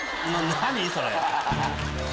何それ⁉